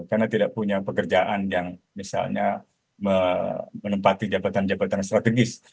karena tidak punya pekerjaan yang misalnya menempati jabatan jabatan strategis